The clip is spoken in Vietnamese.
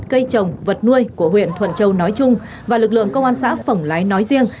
cây trồng vật nuôi của huyện thuận châu nói chung và lực lượng công an xã phổng lái nói riêng